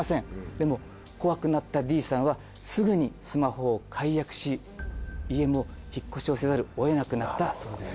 でも怖くなったＤさんはすぐにスマホを解約し家も引っ越しをせざるをえなくなったそうです。